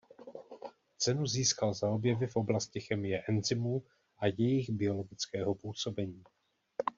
Cenu získal za objevy v oblasti chemie enzymů a jejich biologického působení.